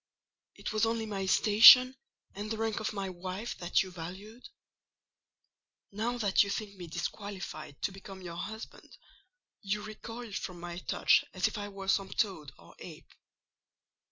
It was only my station, and the rank of my wife, that you valued? Now that you think me disqualified to become your husband, you recoil from my touch as if I were some toad or ape."